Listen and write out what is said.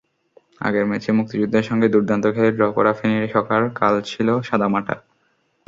আগের ম্যাচে মুক্তিযোদ্ধার সঙ্গে দুর্দান্ত খেলে ড্র করা ফেনী সকার কাল ছিল সাদামাটা।